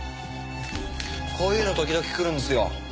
こういうの時々来るんですよ。